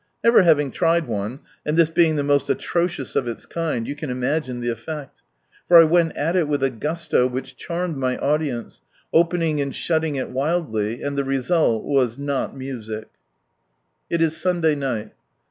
Never having tried one, and this being the most atrocious of its kind, you can imagine the effect, for 1 went at it with a gusto which charmed my audience, opening and shutting it wildly, and the result was — ^not music II is Sunday night.